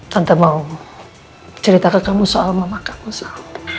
tante mau cerita ke kamu soal mama kamu saya